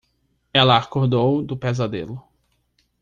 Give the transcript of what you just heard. Ela acordou do pesadelo.